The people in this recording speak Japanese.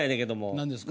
何ですか？